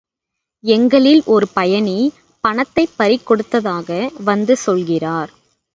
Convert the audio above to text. எங்களில் ஒரு பயணி பணத்தைப் பறி கொடுத்ததாக வந்து சொல்கிறார்.